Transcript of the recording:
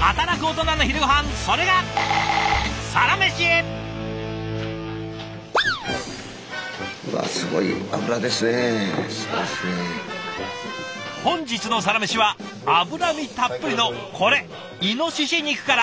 働くオトナの昼ごはんそれが本日のサラメシは脂身たっぷりのこれイノシシ肉から。